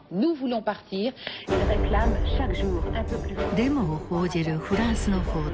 デモを報じるフランスの報道。